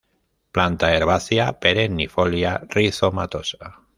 Planta herbácea, perennifolia, rizomatosa.